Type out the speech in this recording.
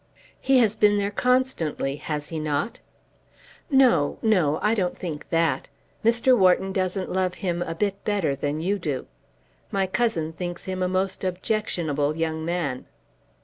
"He has been there constantly; has he not?" "No; no. I don't think that. Mr. Wharton doesn't love him a bit better than you do. My cousin thinks him a most objectionable young man."